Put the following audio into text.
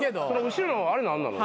後ろのあれ何なの？